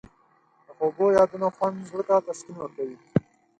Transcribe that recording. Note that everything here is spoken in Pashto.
د خوږو یادونو خوند زړه ته تسکین ورکوي.